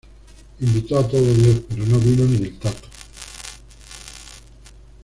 Invitó a todo Dios pero no vino ni el Tato